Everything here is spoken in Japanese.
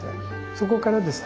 そこからですね